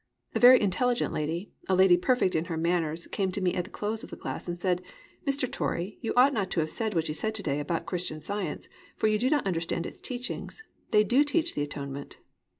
A very intelligent lady, a lady perfect in her manners, came to me at the close of the class and said: "Mr. Torrey, you ought not to have said what you said to day about Christian Science; for you do not understand its teachings. They do teach the Atonement."